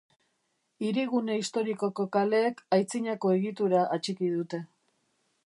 Hirigune historikoko kaleek aitzinako egitura atxiki dute.